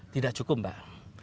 tidak cukup pak